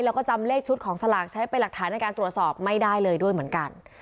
แล้วก็จำเลขชุดของสลากใช้เป็นหลักฐานในการตรวจสอบไม่ได้เลยด้วยเหมือนกัน